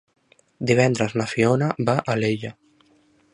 Divendres na Fiona va a Alella.